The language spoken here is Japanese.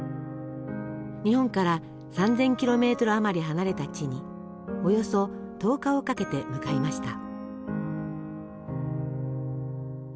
日本から３，０００ｋｍあまり離れた地におよそ１０日をかけて向かいました。